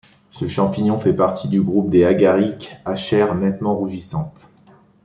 Ce champignon fait partie du groupe des agarics à chair nettement rougissante.